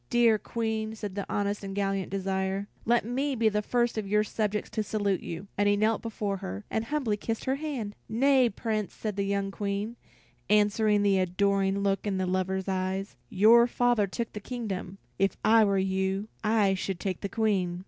"Dear Queen," said the honest and gallant Desire, "let me be the first of your subjects to salute you." And he knelt before her, and humbly kissed her hand. "Nay, Prince," said the young Queen, answering the adoring look in her lover's eyes, "your father took the kingdom; if I were you, I should take the Queen."